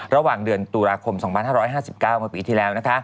ระหว่างเดือนตุลาคม๒๕๕๙เมื่อปีที่แล้ว